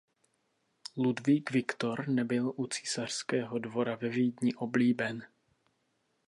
Ludvík Viktor nebyl u císařského dvora ve Vídni oblíben.